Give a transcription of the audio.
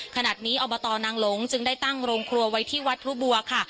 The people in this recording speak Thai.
อบตนางหลงจึงได้ตั้งโรงครัวไว้ที่วัดพลุบัวค่ะ